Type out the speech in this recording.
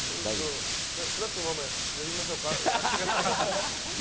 スナックのママ呼びましょうか？